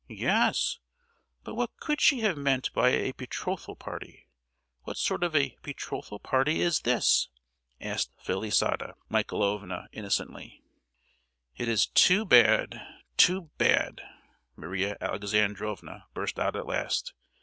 "Yes, but what could she have meant by a 'betrothal party?' What sort of a betrothal party is this?" asked Felisata Michaelovna innocently. "It is too bad—too bad!" Maria Alexandrovna burst out at last.